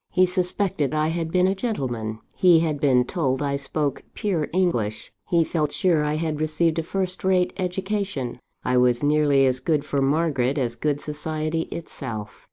He suspected I had been a gentleman; he had been told I spoke pure English; he felt sure I had received a first rate education I was nearly as good for Margaret as good society itself!